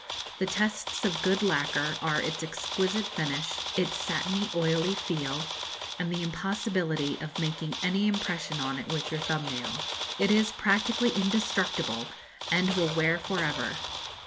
The tests of good lacquer are its exquisite finish, its satiny, oily feel, and the impossibility of making any impression on it with your thumb nail. It is practically indestructible, and will wear for ever.